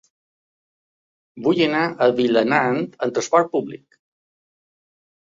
Vull anar a Vilanant amb trasport públic.